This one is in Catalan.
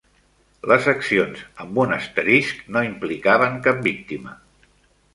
Les accions amb un asterisc no implicaven cap víctima.